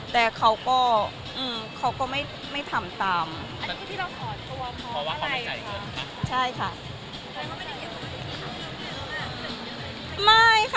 แต่เขาก็อืมเขาก็ไม่ไม่ทำตามอันนี้ที่เราขอขอว่าเขาไม่ใจเกินค่ะ